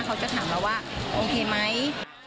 เขาจะถามเราว่าโอเคไหม